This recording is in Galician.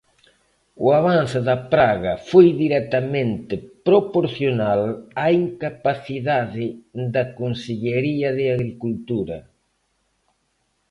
O avance da praga foi directamente proporcional á incapacidade da Consellería de Agricultura.